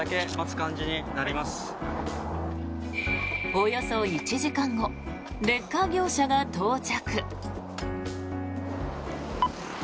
およそ１時間後レッカー業者が到着。